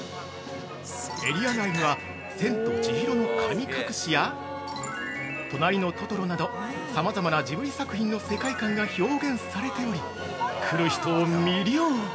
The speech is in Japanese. エリア内には「千と千尋の神隠し」や「となりのトトロ」などさまざまなジブリ作品の世界観が表現されており来る人を魅了！